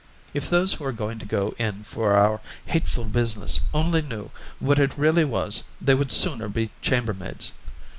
If those who are going to go in for our hateful business only knew what it really was they would sooner be chambermaids.